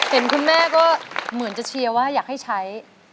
เห็นคุณแม่ก็เหมือนจะเชียร์ว่าอยากให้ใช้